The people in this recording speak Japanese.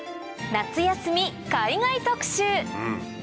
夏休み海外特集！